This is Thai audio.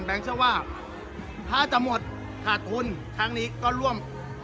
แบงค์เชื่อว่าถ้าจะหมดขาดทุนทางนี้ก็ร่วม